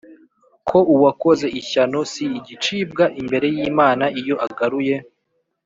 ko uwakoze ishyano si igicibwa imbere y’imana iyo agaruye